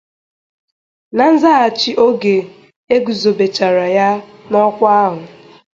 Na nzaghachi oge e guzobechara ya n'ọkwa ahụ